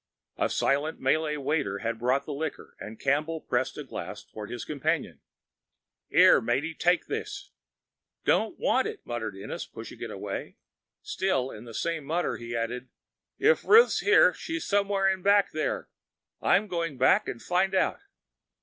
The silent Malay waiter had brought the liquor, and Campbell pressed a glass toward his companion. "'Ere, matey, take this." "Don't want it," muttered Ennis, pushing it away. Still in the same mutter, he added, "If Ruth's here, she's somewhere in the back there. I'm going back and find out."